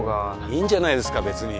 いいんじゃないですか別に。